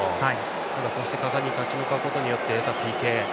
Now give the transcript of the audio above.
ただ、果敢に立ち向かうことによって得たＰＫ。